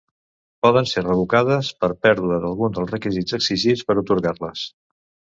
Poden ser revocades per pèrdua d'algun dels requisits exigits per atorgar-les.